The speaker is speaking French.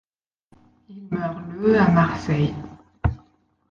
Il meurt le à Marseille.